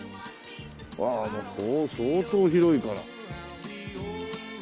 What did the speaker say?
わあもうここ相当広いから。